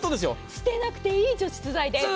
捨てなくていい除湿剤です。